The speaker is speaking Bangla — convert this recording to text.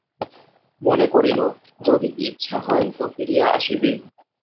মনে করিল, যদি ইচ্ছা হয় তো ফিরিয়া আসিবে।